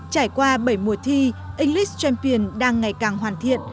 trải qua bảy mùa thi english champion đang ngày càng hoàn thiện